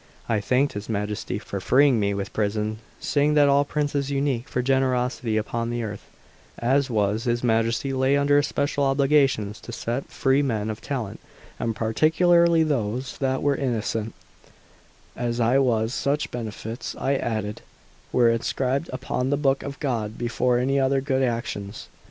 I thanked his Majesty for freeing me from prison, saying that all princes unique for generosity upon this earth, as was his Majesty, lay under special obligations to set free men of talent, and particularly those that were innocent, as I was; such benefits, I added, were inscribed upon the book of God before any other good actions.